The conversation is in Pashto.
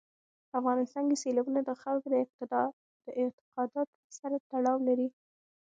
په افغانستان کې سیلابونه د خلکو د اعتقاداتو سره تړاو لري.